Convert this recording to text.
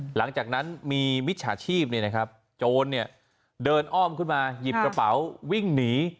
หลังจากนั้นมีมิจฉาชีพโจรเดินอ้อมขึ้นมาหยิบกระเป๋าวิ่งหนี